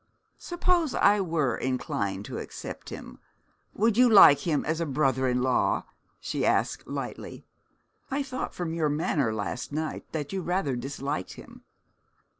'Suppose I were inclined to accept him, would you like him as a brother in law?' she asked lightly. 'I thought from your manner last night that you rather disliked him.'